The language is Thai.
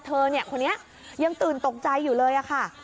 เธอคนนี้ยังตื่นตกใจอยู่เลยค่ะ